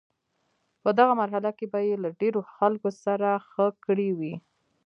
په دغه مرحله کې به یې له ډیرو خلکو سره ښه کړي وي.